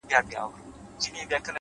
هره ناکامي د نوې لارې اشاره ده’